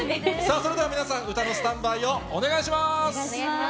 それでは皆さん、歌のスタンバイをお願いします。